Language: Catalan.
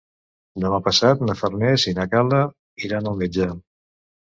Demà passat na Farners i na Gal·la iran al metge.